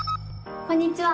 こんにちは。